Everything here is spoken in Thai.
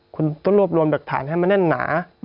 คุณต้องรวบรวมหลักฐานให้มันแน่นหนา